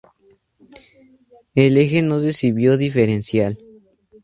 El eje no recibió diferencial.